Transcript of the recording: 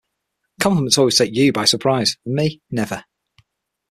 Compliments always take you by surprise, and me never.